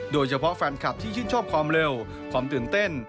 โดยเฉพาะแฟนคลับที่ชื่นชอบความเร็วความตื่นเต้น